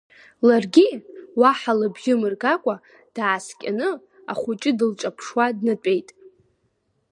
Ларгьы, уаҳа лыбжьы мыргакәа, дааскьаны, ахәыҷы дылҿаԥшуа днатәеит.